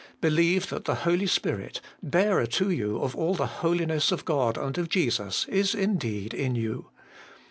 Believe that the Holy Spirit, bearer to you of all the Holiness of God and of Jesus, is indeed in you.